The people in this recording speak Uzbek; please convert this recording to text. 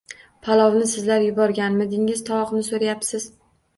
– Palovni sizlar yuborganmidingiz, tovoqni so‘rayapsiz?